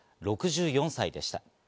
６４歳でした。